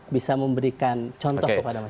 bisa memberikan contoh kepada masyarakat